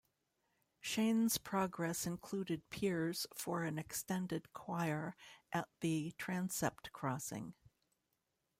Cheyne's progress included piers for an extended choir at the transept crossing.